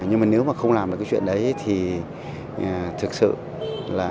nhưng mà nếu mà không làm được cái chuyện đấy thì thực sự là